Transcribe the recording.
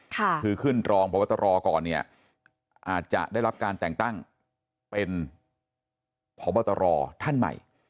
คือขึ้นรองพบตรก่อนเนี่ยอาจจะได้รับการแต่งตั้งเป็นพบตรท่านใหม่